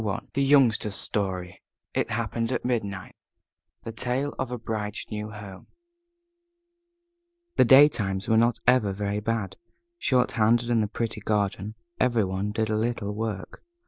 I THE YOUNGSTER'S STORY IT HAPPENED AT MIDNIGHT THE TALE OF A BRIDE'S NEW HOME The daytimes were not ever very bad. Short handed in the pretty garden, every one did a little work.